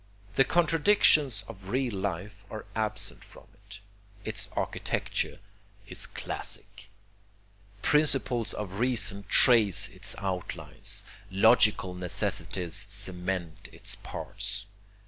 The contradictions of real life are absent from it. Its architecture is classic. Principles of reason trace its outlines, logical necessities cement its parts.